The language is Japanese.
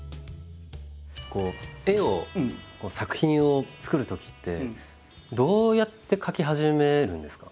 絵を作品を作るときってどうやって描き始めるんですか？